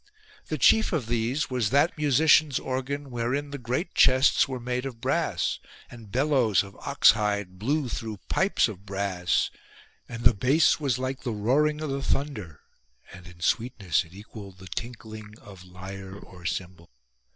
The chief of these was that musicians' organ, wherein the great chests were made of brass : and bellows of ox hide blew through pipes of brass, and the bass was like the roaring of the thunder, and in sweetness it equalled the tinkling of lyre or cymbal.